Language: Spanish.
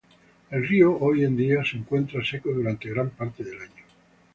El río, hoy día, se encuentra seco durante gran parte del año.